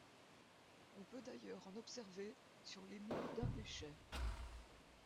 On peut d’ailleurs en observer sur les murs d’un des chais.